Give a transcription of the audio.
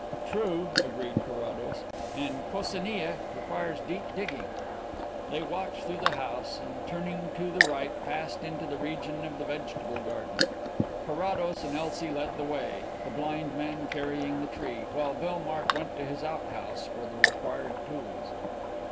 "True," agreed Carrados. "And Coccinea requires deep digging." They walked through the house, and turning to the right passed into the region of the vegetable garden. Carrados and Elsie led the way, the blind man carrying the tree, while Bellmark went to his outhouse for the required tools.